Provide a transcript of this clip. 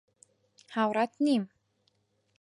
هاوڕات نیم.